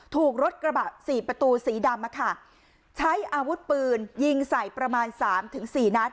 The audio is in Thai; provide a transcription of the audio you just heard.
ถูกรถกระบะสี่ประตูสีดำใช้อาวุธปืนยิงใส่ประมาณสามถึงสี่นัด